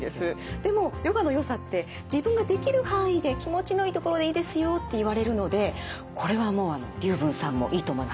でもヨガのよさって自分ができる範囲で気持ちのいいところでいいですよって言われるのでこれはもう龍文さんもいいと思います。